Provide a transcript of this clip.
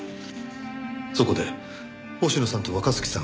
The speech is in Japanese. そこで星野さんと若月さん